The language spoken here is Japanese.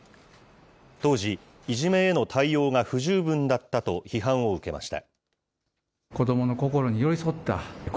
当時、いじめへの対応が不十分だったと批判を受けました。